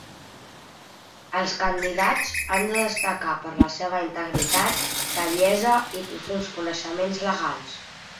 Els candidats han de destacar per la seva integritat, saviesa i profunds coneixements legals.